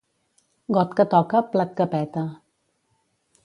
Got que toca, plat que peta.